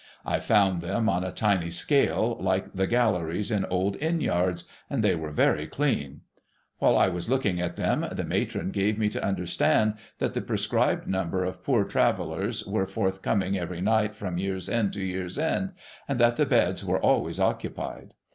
I found them on a tiny scale, like the galleries in old inn yards ; and they were very clean, ^^'hile I was looking at them, the matron ga\c me to under stand that the prescribed number of Poor Travellers were forth coming every night from year's end to year's end ; and that the beds were always occupied.